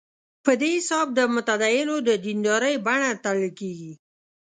په دې حساب د متدینو د دیندارۍ بڼه تړل کېږي.